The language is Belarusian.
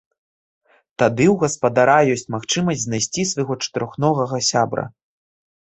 Тады ў гаспадара ёсць магчымасць знайсці свайго чатырохногага сябра.